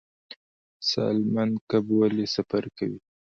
سالمن کب ولې سفر کوي؟